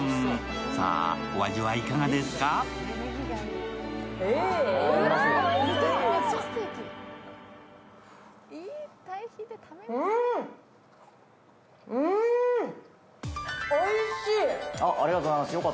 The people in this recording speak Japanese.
さぁ、お味はいかがですか？